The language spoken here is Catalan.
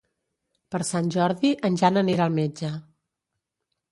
Per Sant Jordi en Jan anirà al metge.